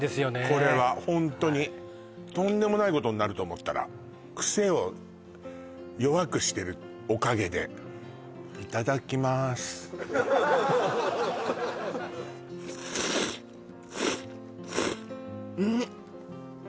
これはホントにとんでもないことになると思ったらクセを弱くしてるおかげでうんっ！